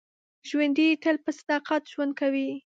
ژوندي تل په صداقت ژوند کوي